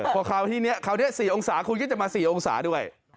พอคราวนี้๔องศาคุณก็จะมา๔องศาด้วย